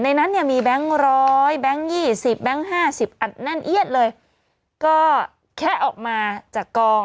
ในนั้นเนี่ยมีแบงค์๑๐๐แบงค์๒๐แบงค์๕๐อัดแน่นเอียดเลยก็แค่ออกมาจากกอง